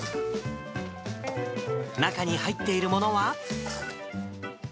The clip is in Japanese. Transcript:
中に入っているものは？